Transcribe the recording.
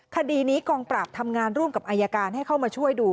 คดีนี้กองปราบทำงานร่วมกับอายการให้เข้ามาช่วยดู